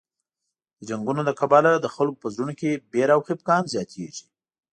د جنګونو له کبله د خلکو په زړونو کې وېره او خفګان زیاتېږي.